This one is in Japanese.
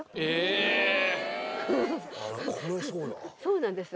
そうなんです。